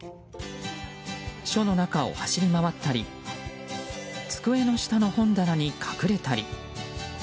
署の中を走り回ったり机の下の本棚に隠れたり。